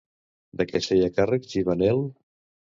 De què es feia càrrec Givanel?